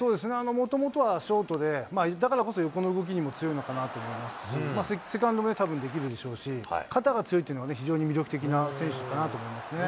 もともとはショートで、だからこそ横の動きにも強いのかなと思いますし、セカンドもたぶんできるでしょうし、肩が強いというのは、非常に魅力的な選手かなと思いますね。